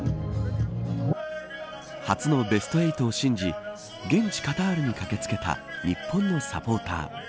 初のベスト８を信じ現地カタールに駆け付けた日本のサポーター。